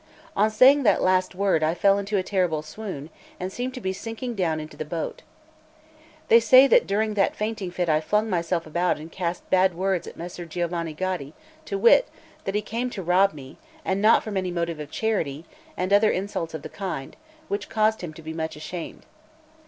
On saying that last word, I fell into a terrible swoon, and seemed to be sinking down into the boat. They say that during that fainting fit I flung myself about and cast bad words at Messer Giovanni Gaddi, to wit, that he came to rob me, and not from any motive of charity, and other insults of the kind, which caused him to be much ashamed.